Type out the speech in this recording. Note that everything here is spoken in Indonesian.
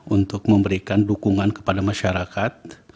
untuk memberikan dukungan kepada masyarakat